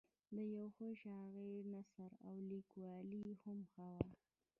د یوه ښه شاعر نثر او لیکوالي هم ښه وه.